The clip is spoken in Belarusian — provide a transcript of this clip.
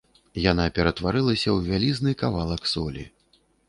Яна ператварылася ў вялізны кавалак солі.